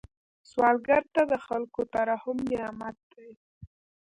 سوالګر ته د خلکو ترحم نعمت دی